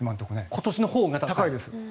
今年のほうが高い？